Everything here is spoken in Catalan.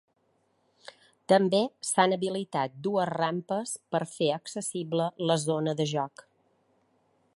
També s’han habilitat dues rampes per a fer accessible la zona de joc.